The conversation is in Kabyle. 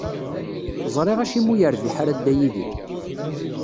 Ẓriɣ acimi ur yerbiḥ ara Dda Yidir.